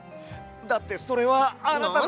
だってそれはあなたの。